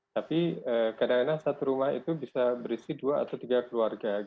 tapi kadang kadang satu rumah itu bisa berisi dua atau tiga keluarga